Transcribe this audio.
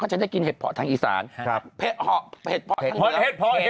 ก็จะได้กินเห็ดเพาะทางอีสานเผ็ดเพาะเห็ดเพาะทางเหนือ